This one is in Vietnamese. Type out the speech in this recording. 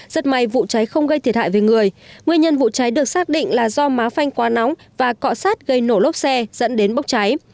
rất may vụ cháy không gây thiệt hại về người nguyên nhân vụ cháy được xác định là do má phanh quá nóng và cọ sát gây nổ lốp xe dẫn đến bốc cháy